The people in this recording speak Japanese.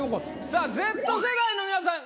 さぁＺ世代の皆さん